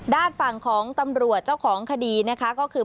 ด้านฝั่งของตำรวจเจ้าของคดีนะคะก็คือ